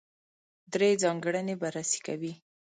درې ځانګړنې بررسي کوي.